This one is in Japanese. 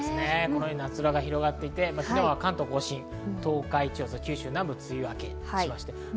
夏空が広がっていて、昨日は関東甲信、東海地方、九州南部で梅雨明けしました。